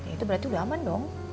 itu berarti udah aman dong